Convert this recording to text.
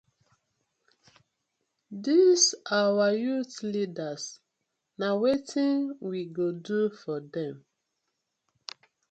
Dis our youth leaders na wetin we go do for dem.